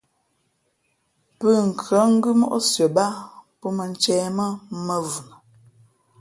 Pʉ̂nkhʉ́ά ngʉ́ móʼ sʉα báá pō mᾱ ncēh mά mᾱvhʉ náh.